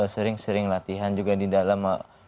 sering sering latihan juga di dalam